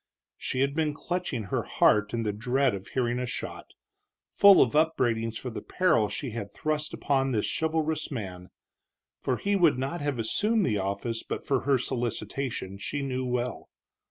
She had been clutching her heart in the dread of hearing a shot, full of upbraidings for the peril she had thrust upon this chivalrous man. For he would not have assumed the office but for her solicitation, she knew well.